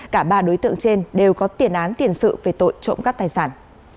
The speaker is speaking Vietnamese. cả ba đối tượng trên đều có tiền án tiền sự về tội trộm cắp tài sản